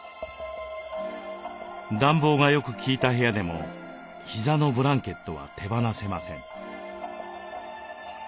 暖房がよく効いた部屋でも膝のブランケットは手放せません。